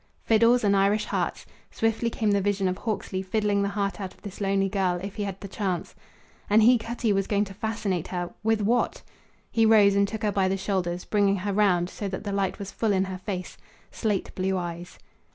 Fiddles and Irish hearts. Swiftly came the vision of Hawksley fiddling the heart out of this lonely girl if he had the chance. And he, Cutty, was going to fascinate her with what? He rose and took her by the shoulders, bringing her round so that the light was full in her face. Slate blue eyes.